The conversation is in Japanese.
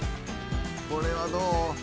これはどう？